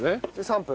３分。